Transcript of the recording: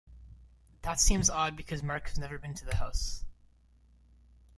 That seems odd because Mark has never been to the house.